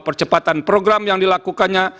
percepatan program yang dilakukannya